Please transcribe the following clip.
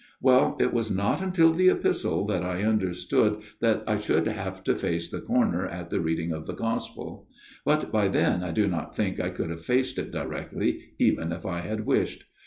"Well, it was not until the Epistle that I understood that I should have to face the corner at the reading of the Gospel ; but by then I do not think I could have faced it directly, even if I had wished.